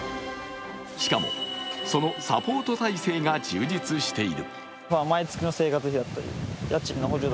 しかも、そのサポート体制が充実している。